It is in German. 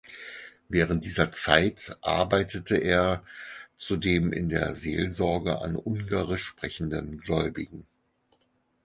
Während dieser Zeit arbeitete er zudem in der Seelsorge an ungarisch sprechenden Gläubigen.